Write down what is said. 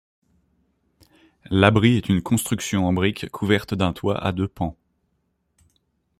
L'abri est une construction en briques couverte d'un toit à deux pans.